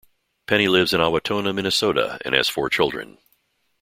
Penny lives in Owatonna, Minnesota and has four children.